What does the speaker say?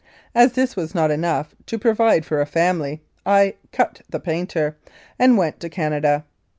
As this was not enough to provide for a family, I u cut the painter" and went to Canada.